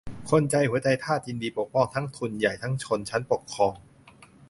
คนไทยหัวใจทาสยินดีปกป้องทั้งทุนใหญ่ทั้งชนชั้นปกครอง